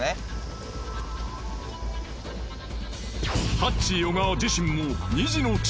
ハッチー小川自身も２児の父。